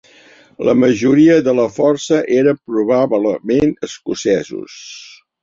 La majoria de la força eren probablement escocesos.